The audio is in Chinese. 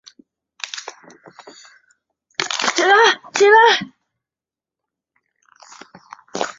该动画的设计者是茅原伸幸。